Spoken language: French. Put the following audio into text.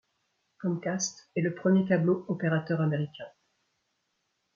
Comcast est le premier câblo-opérateur américain.